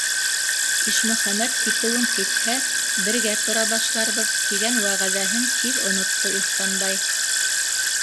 Ишмөхәмәт китеүен китһә, бергә тора башларбыҙ тигән вәғәҙәһен тиҙ онотто Ихсанбай...